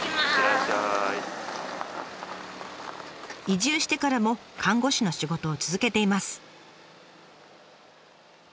移住してからも看護師の仕事を続けています。